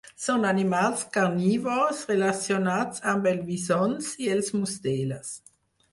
Són animals carnívors, relacionats amb els visons i les musteles.